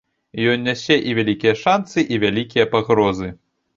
Ён нясе і вялікія шанцы, і вялікія пагрозы.